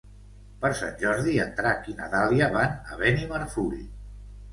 Per Sant Jordi en Drac i na Dàlia van a Benimarfull.